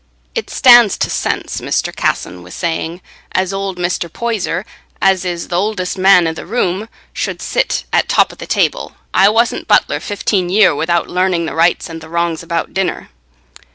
"It stands to sense," Mr. Casson was saying, "as old Mr. Poyser, as is th' oldest man i' the room, should sit at top o' the table. I wasn't butler fifteen year without learning the rights and the wrongs about dinner."